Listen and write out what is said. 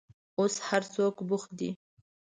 اوس هر څوک بوخت دي.